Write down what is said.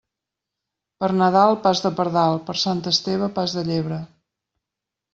Per Nadal, pas de pardal; per Sant Esteve, pas de llebre.